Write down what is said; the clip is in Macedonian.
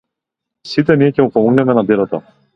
Сите ние ќе му помогнеме на дедото.